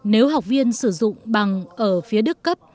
nếu học viên sử dụng bằng ở phía đức cấp